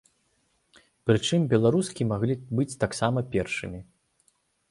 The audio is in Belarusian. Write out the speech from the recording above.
Прычым, беларускі маглі быць таксама першымі.